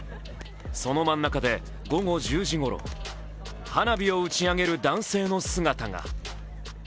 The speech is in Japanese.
その真ん中で、午後１０時ごろ、花火を打ち上げる男性の姿が。